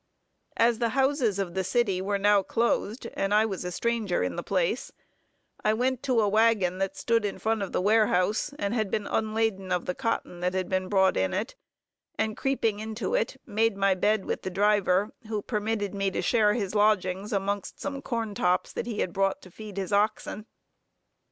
As the houses of the city were now closed, and I was a stranger in the place, I went to a wagon that stood in front of the warehouse, and had been unladen of the cotton that had been brought in it, and creeping into it, made my bed with the driver, who permitted me to share his lodgings amongst some corn tops that he had brought to feed his oxen.